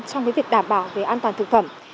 trong việc đảm bảo về an toàn thực phẩm